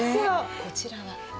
こちらは？